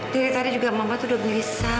dari tadi juga mama tuh udah berisah